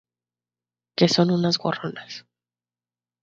que son unas gorronas